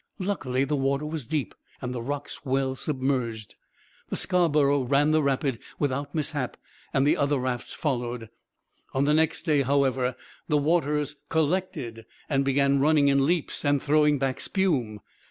Luckily, the water was deep and the rocks well submerged. The Scarborough ran the rapid without mishap and the other rafts followed. On the next day, however, the waters 'collected' and began running in leaps and throwing back spume.